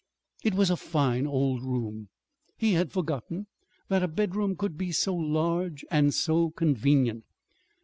It was a fine old room. He had forgotten that a bedroom could be so large and so convenient.